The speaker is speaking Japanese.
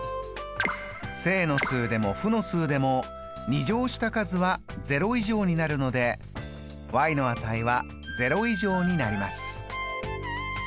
正の数でも負の数でも２乗した数は０以上になるのでの値は０以上になります。